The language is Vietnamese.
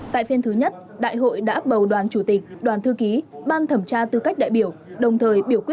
đại hội đã bầu đoàn chủ tịch đoàn thư ký ban thẩm tra tư cách đại biểu